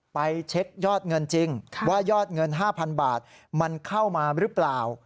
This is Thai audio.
ไปเช็คยอดเงินจริงว่ายอดเงิน๕๐๐๐บาทมันเข้ามาหรือเปล่า